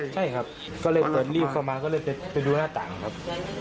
ใช่ครับก็เลยเปิดรีบเข้ามาก็เลยไปดูหน้าต่างครับ